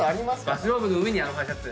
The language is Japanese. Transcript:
バスローブの上にアロハシャツ。